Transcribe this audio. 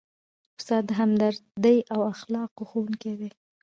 استاد د همدردۍ او اخلاقو ښوونکی دی.